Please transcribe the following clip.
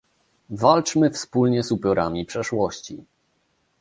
Walczmy wspólnie z upiorami przeszłości